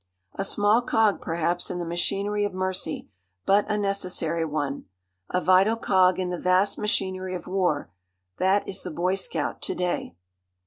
A small cog, perhaps, in the machinery of mercy, but a necessary one. A vital cog in the vast machinery of war that is the boy scout to day.